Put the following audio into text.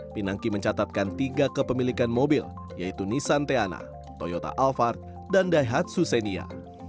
pinangki mencatatkan tiga kepemilikan mobil yaitu nissan teana toyota alphard dan daihatsu xenia